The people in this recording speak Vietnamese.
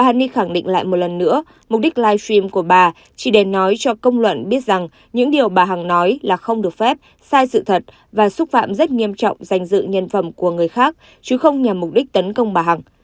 hàni khẳng định lại một lần nữa mục đích live stream của bà chỉ để nói cho công luận biết rằng những điều bà hằng nói là không được phép sai sự thật và xúc phạm rất nghiêm trọng danh dự nhân phẩm của người khác chứ không nhằm mục đích tấn công bà hằng